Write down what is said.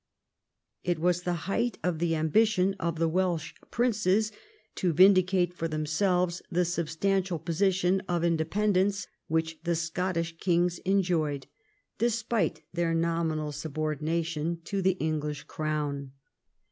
It was the height of the ambition of the Welsh princes to vindicate for themselves the substantial position of in dependence which the Scottish kings enjoyed, despite their nominal subordination to the English crown.